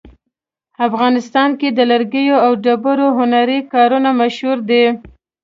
افغانستان کې د لرګیو او ډبرو هنري کارونه مشهور دي